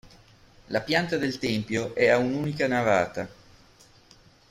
La pianta del tempio è ad unica navata.